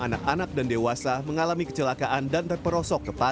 anak anak dan dewasa mengalami kecelakaan dan terperosok kepala